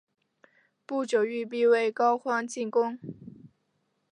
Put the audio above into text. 不久玉壁为高欢进攻。